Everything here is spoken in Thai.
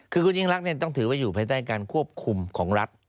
คือคุณยิ่งรักต้องถือว่าอยู่ภายใต้การควบคุมของรัฐ